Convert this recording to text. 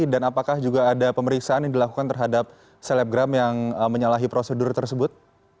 apakah juga ada pemeriksaan yang dilakukan terhadap selebgram yang menyalahi prosedur tersebut